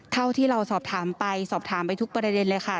เท่าที่เราสอบถามไปสอบถามไปทุกประเด็นเลยค่ะ